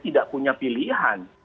tidak punya pilihan